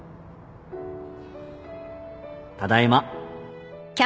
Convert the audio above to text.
ただいま